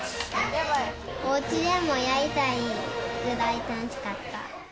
おうちでもやりたいぐらい楽しかった。